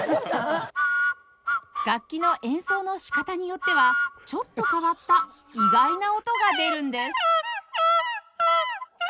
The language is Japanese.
楽器の演奏の仕方によってはちょっと変わった意外な音が出るんです